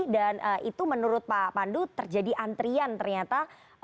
dan itu menurut pak pandu terjadi antrian ternyata